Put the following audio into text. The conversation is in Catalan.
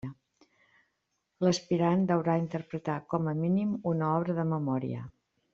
L'aspirant deurà interpretar, com a mínim, una obra de memòria.